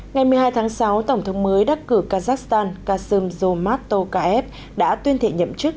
ngày một mươi hai tháng sáu tổng thống mới đắc cử kazakhstan kasim zomato kf đã tuyên thị nhậm chức